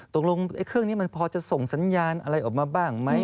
ตกลงเครื่องนี้มันพอจะส่งสัญญาณอะไรออกมาบ้างไหม